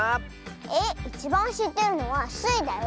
えっいちばんしってるのはスイだよ。